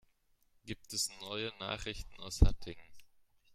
Gibt es neue Nachrichten aus Hattingen?